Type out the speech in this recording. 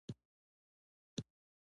وه ګرانه احتياط احتياط.